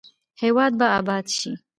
هیواد به اباد شي؟